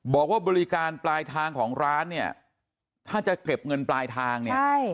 บอกว่าบริการปลายทางของร้านเนี่ยถ้าจะเก็บเงินปลายทางเนี่ย